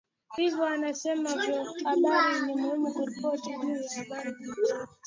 Hivyo anasema vyombo vya habari ni muhimu kuripoti juu ya habari zilizothbitishwa